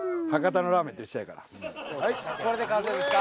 はいこれで完成ですか？